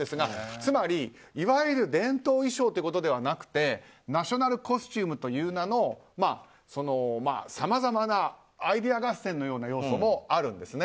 つまり、いわゆる伝統衣装ということではなくてナショナル・コスチュームという名のさまざまなアイデア合戦という要素もあるんですね。